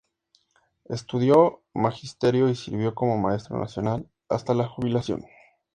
Estudió magisterio y sirvió como maestro nacional hasta su jubilación.